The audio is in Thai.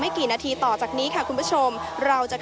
พาคุณผู้ชมไปติดตามบรรยากาศกันที่วัดอรุณราชวรรมหาวิหารค่ะ